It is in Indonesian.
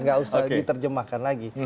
nggak usah diterjemahkan lagi